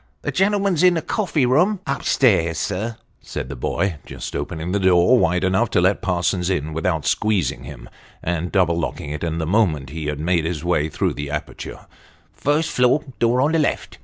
" The gentleman's in the coffee room." " Up stairs, sir," said the boy, just opening the door wide enough to let Parsons in without squeezing him, and double locking it the moment he had made his way through the aperture " First floor door on the left."